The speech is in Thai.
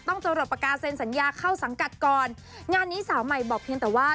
ต้องจรดปากกาเซ็นสัญญาเข้าสังกัดก่อนงานนี้สาวใหม่บอกเพียงแต่ว่า